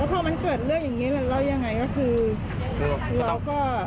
แล้วถ้ามันเกิดเรื่องอย่างนี้แล้วยังไงก็คือ